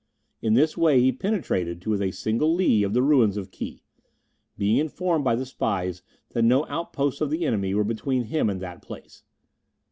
In this way he penetrated to within a single li of the ruins of Ki, being informed by the spies that no outposts of the enemy were between him and that place.